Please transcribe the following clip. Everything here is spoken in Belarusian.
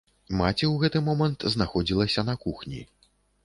Маці ў гэты момант знаходзілася на кухні.